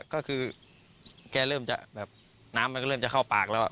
ก็คือแกเริ่มจะแบบน้ำมันก็เริ่มจะเข้าปากแล้ว